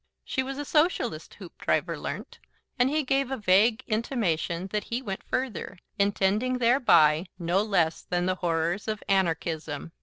She was a Socialist, Hoopdriver learnt, and he gave a vague intimation that he went further, intending, thereby, no less than the horrors of anarchism.